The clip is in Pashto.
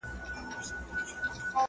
د ژوند هره مرحله د ازموینې ځای دی.